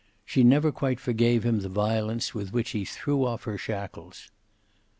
She never quite forgave him the violence with which he threw off her shackles.